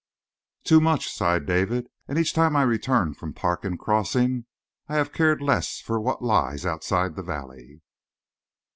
"Too much," sighed David. "And each time I returned from Parkin Crossing I have cared less for what lies outside the valley."